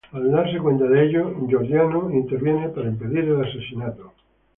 Al darse cuenta de ello, Gordiano interviene para impedir el asesinato.